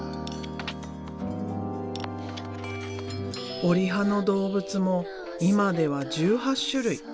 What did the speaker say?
折り葉の動物も今では１８種類。